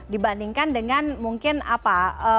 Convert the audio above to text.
dibandingkan dengan mungkin apa